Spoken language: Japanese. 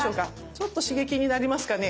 ちょっと刺激になりますかね。